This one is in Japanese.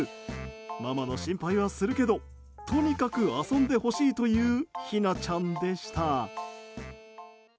ママの心配はするけどとにかく遊んでほしいというひなちゃんでした。